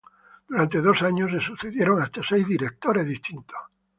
Durante dos años se sucedieron hasta seis directores distintos.